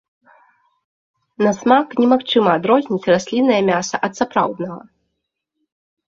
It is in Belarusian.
На смак немагчыма адрозніць расліннае мяса ад сапраўднага.